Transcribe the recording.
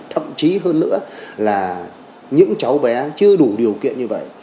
thậm chí hơn nữa là những cháu bé chưa đủ điều kiện như vậy